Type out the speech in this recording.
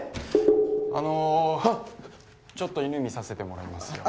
あのちょっと犬見させてもらいますよ